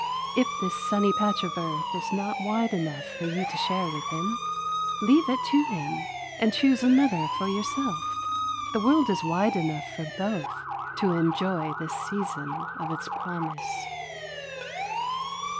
If this sunny patch of earth is not wide enough for you to share with him, leave it to him and choose another for yourself. The world is wide enough for both to enjoy this season of its promise.